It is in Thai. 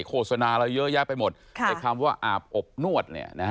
โฆษณาเราเยอะแยะไปหมดแต่คำว่าอาบอบนวด